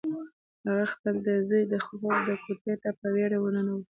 هغه د خپل زوی د خوب کوټې ته په وېره ورننوته.